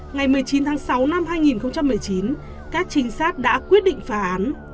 ngày một mươi chín tháng sáu năm hai nghìn một mươi chín các trinh sát đã quyết định phá án